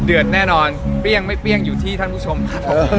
แน่นอนเปรี้ยงไม่เปรี้ยงอยู่ที่ท่านผู้ชมครับ